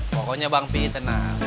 pokoknya bang pi tenang